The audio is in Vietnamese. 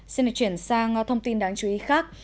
xin được chuyển sang thông tin đáng chú ý khác